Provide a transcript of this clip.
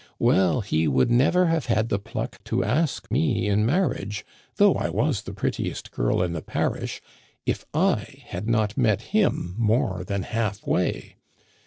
* Well, he would never have had the pluck to ask me in marriage, though I was the prettiest girl in the parish, if I had not met him more than half way.